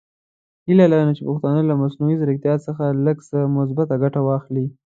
هیله لرم چې پښتانه له مصنوعي زیرکتیا څخه لږ څه مثبته ګټه واخلي.